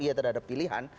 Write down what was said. iya terhadap pilihan